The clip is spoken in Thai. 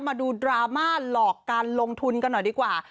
มาดูดราม่าหลอกการลงทุนกันหน่อยดีกว่า